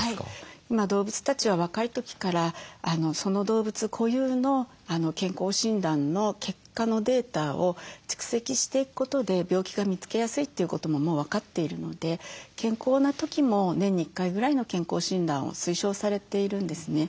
今動物たちは若い時からその動物固有の健康診断の結果のデータを蓄積していくことで病気が見つけやすいということももう分かっているので健康な時も年に１回ぐらいの健康診断を推奨されているんですね。